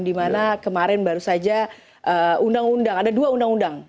dimana kemarin baru saja undang undang ada dua undang undang